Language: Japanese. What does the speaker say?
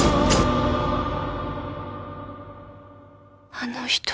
あの人だ。